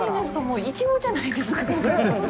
もうイチゴじゃないですか。